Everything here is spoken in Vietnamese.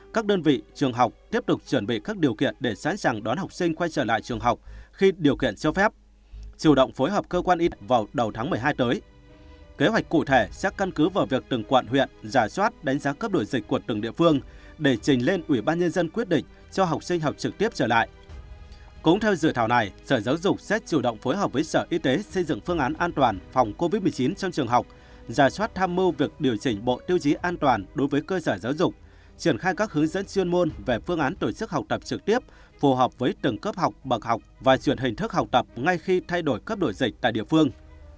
chuyển khai các hướng dẫn chuyên môn về phương án tổ chức học tập trực tiếp phù hợp với từng cấp học bậc học và chuyển hình thức học tập ngay khi thay đổi cấp độ dịch tại địa phương